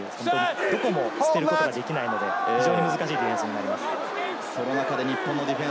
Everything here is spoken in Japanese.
どこも捨てることができないので、非常に難しいディフェンスになります。